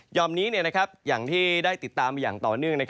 อมนี้อย่างที่ได้ติดตามมาอย่างต่อเนื่อง